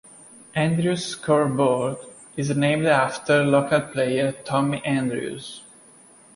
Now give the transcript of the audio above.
Andrews scoreboard is named after local player Tommy Andrews.